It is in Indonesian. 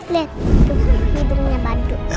lihat hidungnya badut